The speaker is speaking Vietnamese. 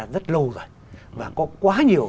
rất lâu rồi và có quá nhiều